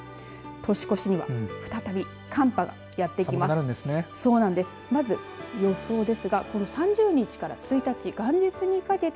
年越しには再び寒波がやってきます。